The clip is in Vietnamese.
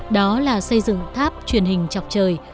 đó là xây dựng tháp truyền hình chọc trời